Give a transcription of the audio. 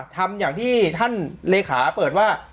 ทำอย่างที่ท่านเลขาเปิดว่า